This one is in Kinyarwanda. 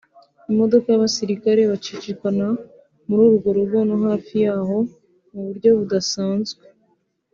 imodoka n’abasirikare bacicikana muri urwo rugo no hafi yaho mu buryo budasanzwe